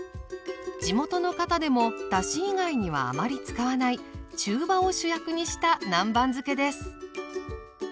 地元の方でもだし以外にはあまり使わない中羽を主役にした南蛮漬けです。